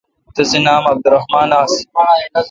تسے°نام عبدالرحمان آس